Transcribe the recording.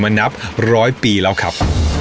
มานับ๑๐๐ปีแล้วครับ